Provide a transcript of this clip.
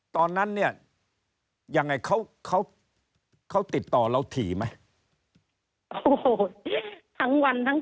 ตอนนั้นเนี่ยยังไงเขาเขาติดต่อเราถี่ไหมโอ้โหทั้งวันทั้ง